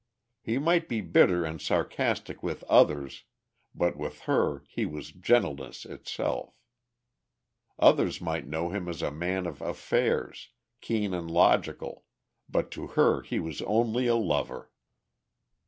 He might be bitter and sarcastic with others, but with her he was gentleness itself. Others might know him as a man of affairs, keen and logical, but to her he was only a lover.